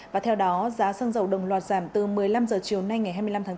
và theo đó giá xăng dầu đồng loạt giảm từ một mươi năm h chiều nay ngày hai mươi năm tháng chín